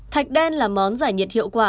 thạch đen là món giải nhiệt hiệu quả